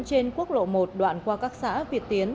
trên quốc lộ một đoạn qua các xã việt tiến